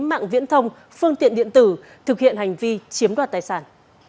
mạng viễn thông phương tiện điện tử thực hiện hành vi chiếm đoạt tài sản